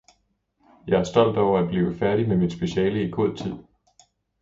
Jeg er stolt over at blive færdig med mit speciale i god tid!